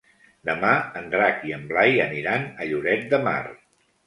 Demà en Drac i en Blai aniran a Lloret de Mar.